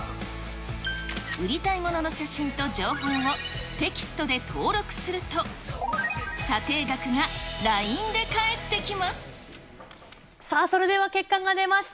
売りたいものの写真と情報をテキストで登録すると、査定額がＬＩさあ、それでは結果が出ました。